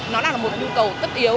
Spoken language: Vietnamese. nó là một nhu cầu tất yếu